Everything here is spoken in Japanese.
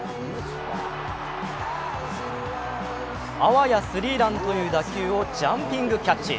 あわやスリーランという打球をジャンピングキャッチ。